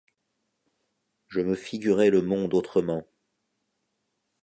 Je me figurais le monde autrement.